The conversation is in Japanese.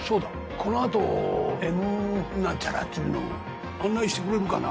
このあとＭなんちゃらっていうの案内してくれるかな？